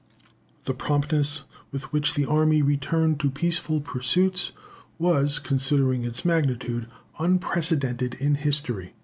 The promptness with which the army returned to peaceful pursuits was, considering its magnitude, unprecedented in history.